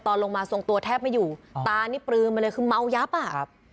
ตอนลงมาทรงตัวแทบไม่อยู่ตานี่ปลืมมาเลยคือเมายับอ่ะครับ